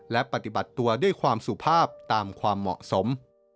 และปฏิบัติตัวด้วยความสุภาพตามความเหมาะสม